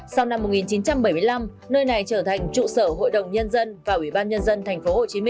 sau năm một nghìn chín trăm bảy mươi năm nơi này trở thành trụ sở hội đồng nhân dân và ubnd tp hcm